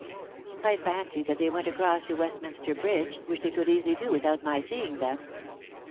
I fancied that they went across to Westminster Bridge, which they could easily do without my seeing them.